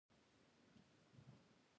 دا جګړه په پنځلس سوه او شپږویشتم کال کې وه.